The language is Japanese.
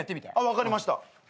分かりました。